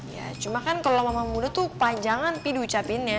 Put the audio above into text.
ya cuma kan kalo mama muda tuh panjangan pi di ucapinnya